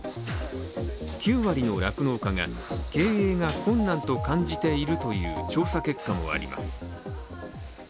９割の酪農家が経営が困難と感じているという調査結果があります。